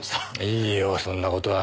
いいよそんな事は。